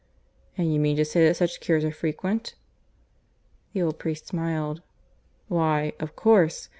"And you mean to say that such cures are frequent?" The old priest smiled. "Why, of course.